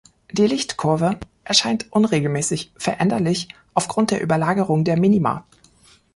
Die Lichtkurve erscheint unregelmäßig veränderlich aufgrund der Überlagerung der Minima.